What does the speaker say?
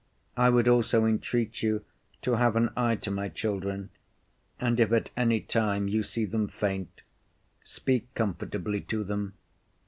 I would also entreat you to have an eye to my children, and if at any time you see them faint, speak comfortably to them.